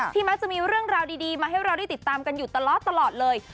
มักจะมีเรื่องราวดีมาให้เราได้ติดตามกันอยู่ตลอดเลย